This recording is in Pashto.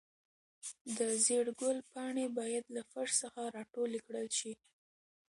د زېړ ګل پاڼې باید له فرش څخه راټولې کړل شي.